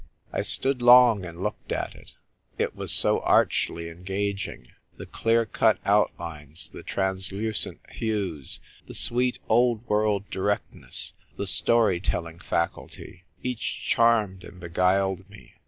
I stood long and looked at it. It was so archly engaging. The clear cut outlines, the translucent hues, the sweet old world direct ness, the stor3' telling faculty, each charmed and beguiled me.